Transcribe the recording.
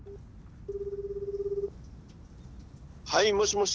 はいもしもし！